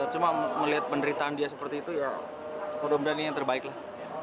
cuma melihat penderitaan dia seperti itu ya mudah mudahan ini yang terbaik lah